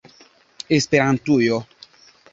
esperantujo